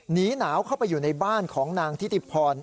หนีหนาวเข้าไปอยู่ในบ้านของนางทิติพร